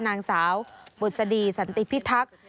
นางสาวบุษดีสันติพิทักษ์